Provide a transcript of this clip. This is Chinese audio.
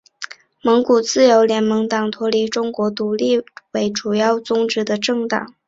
蒙古自由联盟党脱离中国独立为主要宗旨的政党。